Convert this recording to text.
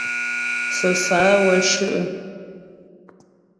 Fə́fá'a wə́ shʉ'.